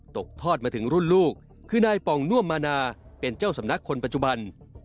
ตกทอดมาถึงรุ่นลูกคือนายป่องน่วมมานาเป็นเจ้าสำนักคนปัจจุบัน